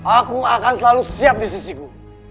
aku akan selalu siap di sisiku